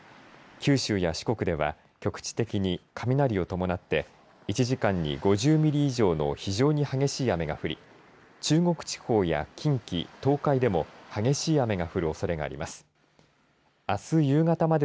九州や四国では局地的に雷を伴って１時間に５０ミリ以上の非常に激しい雨が降り中国地方や近畿、東海でも激しい雨が降るおそれがあります。